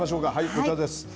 こちらです。